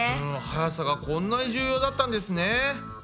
はやさがこんなに重要だったんですね。